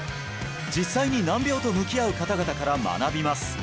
実際に難病と向き合う方々から学びます